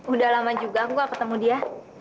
udah lama juga aku gak ketemu dia